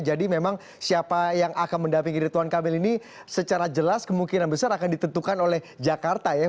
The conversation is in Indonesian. jadi memang siapa yang akan mendampingi ridwan kamil ini secara jelas kemungkinan besar akan ditentukan oleh jakarta ya